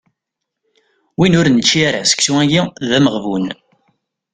Win ur nečči ara seksu-yagi d ameɣbun.